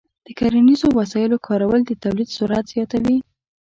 د کرنیزو وسایلو کارول د تولید سرعت زیاتوي.